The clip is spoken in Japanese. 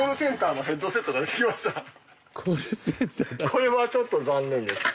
これはちょっと残念です。